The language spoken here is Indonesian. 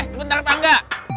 eh bentar bangga